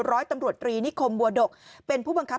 ร้อยตำรวจตรีนิคมบัวดกเป็นผู้บังคับ